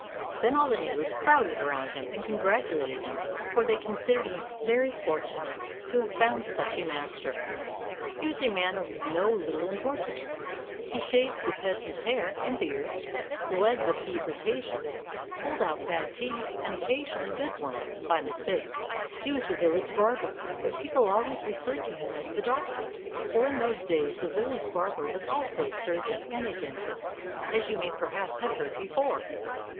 Then all the neighbors crowded around him, and congratulated him, for they con sidered him very fortunate to have found such a master. He was a man of no little importance. He shaved the peasants' hair and beards, bled the fever patients, pulled out bad teeth, and occasionally good ones, by mistake. He was the village barber, but people always referred to him as the doctor, for in those days the village barber was also a surgeon and a dentist, as you may perhaps have heard before.